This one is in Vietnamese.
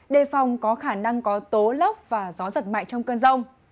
đề phòng có khả năng có tố lốc và gió giật mạnh trong cơn rông